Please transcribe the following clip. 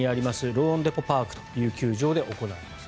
ローンデポ・パークという球場で行われます。